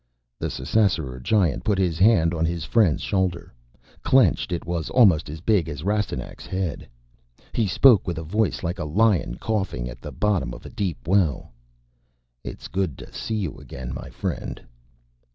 The Ssassaror giant put his hand on his friend's shoulder. Clenched, it was almost as big as Rastignac's head. He spoke with a voice like a lion coughing at the bottom of a deep well. "It is good to see you again, my friend."